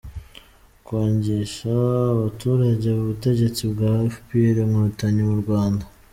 Kwangisha abaturage ubutegetsi bwa fpr inkotanyi mu Rwanda.